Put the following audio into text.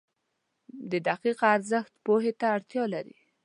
• د دقیقه ارزښت پوهې ته اړتیا لري.